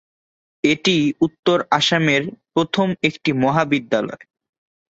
এটিই উত্তর আসামের প্ৰথম একটি মহাবিদ্যালয়।